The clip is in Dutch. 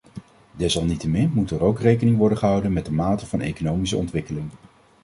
Desalniettemin moet er ook rekening worden gehouden met de mate van economische ontwikkeling.